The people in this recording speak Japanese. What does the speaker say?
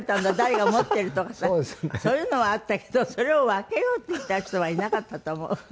誰が持ってるとかさそういうのはあったけどそれを分けようって言った人はいなかったと思う。